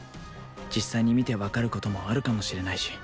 実際に見て分かることもあるかもしれないし